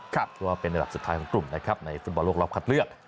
เพราะว่าเป็นระดับสุดท้ายของกลุ่มนะครับในฟุตบอลโลกรอบคัดเลือก